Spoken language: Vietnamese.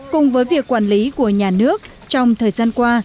cùng với việc quản lý của nhà nước trong thời gian qua